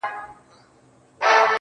كله وي خپه اكثر.